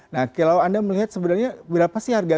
nah kalau anda melihat sebenarnya berapa sih harga